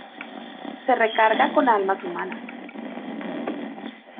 Se recarga con almas humanas.